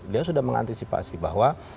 dia sudah mengantisipasi bahwa